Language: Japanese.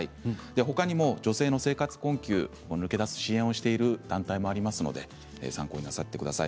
他にも女性の生活困窮を抜け出す支援をしている団体もありますので参考になさってください。